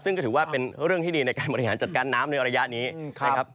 ซึ่งก็ถือว่าเป็นเรื่องที่ดีในการบริหารจัดการน้ำในระยะนี้นะครับ